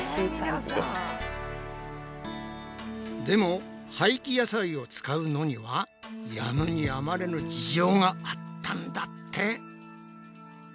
でも廃棄野菜を使うのにはやむにやまれぬ事情があったんだって！